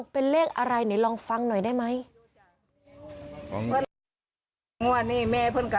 เป็นเลขอะไรไหนลองฟังหน่อยได้ไหม